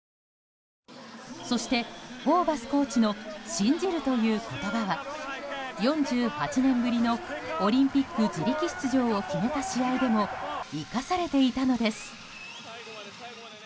そして、ホーバスコーチの信じるという言葉は４８年ぶりのオリンピック自力出場を決めた試合でも生かされていたのです。